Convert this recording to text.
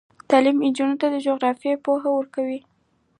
تعلیم نجونو ته د جغرافیې پوهه ورکوي.